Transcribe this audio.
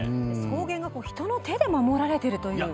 草原が人の手で守られてるという。